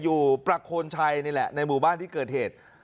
อยู่ประโคนชัยนี่แหละในหมู่บ้านที่เกิดเหตุ